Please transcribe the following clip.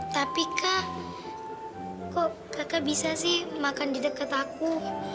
tapi kak kok kakak bisa sih makan di dekat aku